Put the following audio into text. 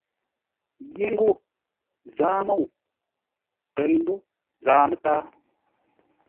Yé ńgó «Zaa-môu» kəʉ ńgó «Zaa-mə́táa».